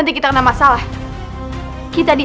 kau berkata itu bukan bukan itu